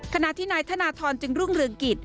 ขณะที่นายธนทรจึงรุ่งเรืองกิจ